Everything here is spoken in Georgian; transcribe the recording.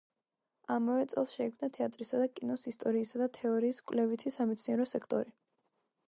ამავე წელს შეიქმნა თეატრისა და კინოს ისტორიისა და თეორიის კვლევითი სამეცნიერო სექტორი.